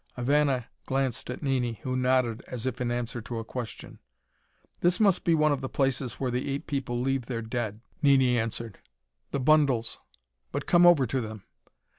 Ivana glanced at Nini, who nodded as if in answer to a question. "This must be one of the places where the ape people leave their dead," Nini answered. "The bundles But come over to them."